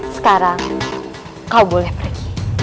sekarang kau boleh pergi